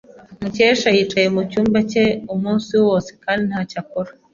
Mukesha yicaye mucyumba cye umunsi wose kandi ntacyo akora.